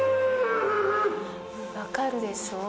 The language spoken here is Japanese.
わかるでしょう？